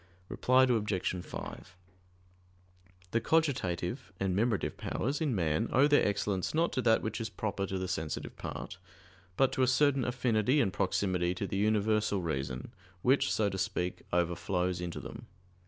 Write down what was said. Reply Obj. 5: The cogitative and memorative powers in man owe their excellence not to that which is proper to the sensitive part; but to a certain affinity and proximity to the universal reason, which, so to speak, overflows into them.